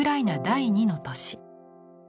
第二の都市。